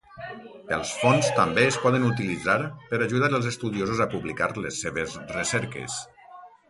Els fons també es poden utilitzar per ajudar els estudiosos a publicar les seves recerques.